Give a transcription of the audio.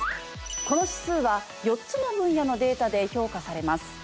この指数は４つの分野のデータで評価されます。